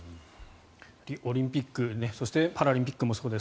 オリンピックそして、パラリンピックもそうです。